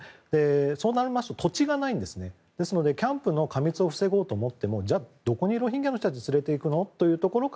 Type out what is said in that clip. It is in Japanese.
そうなりますと土地がないのでキャンプの過密を防ごうと思ってもじゃあ、どこにロヒンギャの人を連れていくのという。